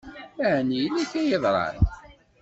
Ɛni yella kra i yeḍṛan?